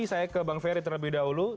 saya ke bang ferry terlebih dahulu